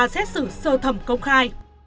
sơ thẩm công khai